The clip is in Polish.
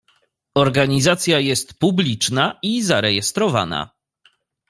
"Organizacja jest publiczna i zarejestrowana."